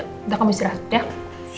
kita kamu istirahat deh